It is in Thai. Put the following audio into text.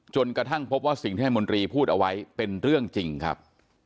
จนกระทั่งพบว่าสิ่งที่ท่านมนตรีพูดเอาไว้เป็นเรื่องจริงครับ